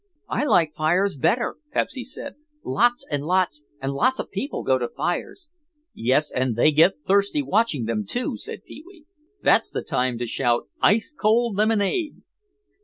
"I like fires better," Pepsy said. "Lots and lots and lots of people go to fires." "Yes, and they get thirsty watching them, too," said Pee wee. "That's the time to shout, ice cold lemonade."